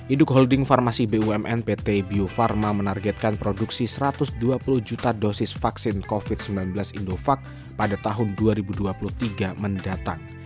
induk holding farmasi bumn pt bio farma menargetkan produksi satu ratus dua puluh juta dosis vaksin covid sembilan belas indovac pada tahun dua ribu dua puluh tiga mendatang